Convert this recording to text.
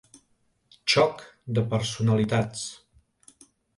Xoc de personalitats.